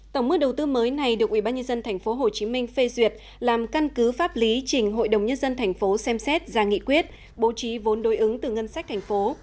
tổng mức đầu tư mới này được ubnd tp hcm phê duyệt làm căn cứ pháp lý trình hội đồng nhân dân tp xem xét ra nghị quyết bố trí vốn đối ứng từ ngân sách thành phố